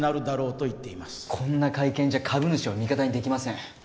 こんな会見じゃ株主を味方にできません。